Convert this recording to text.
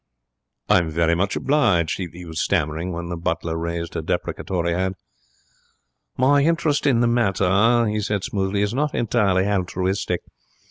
'I'm very much obliged ' he was stammering, when the butler raised a deprecatory hand. 'My interest in the matter,' he said, smoothly, 'is not entirely haltruistic.